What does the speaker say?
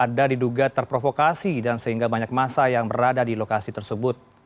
ada tidak warga yang terprovokasi dan sehingga banyak massa yang berada di lokasi tersebut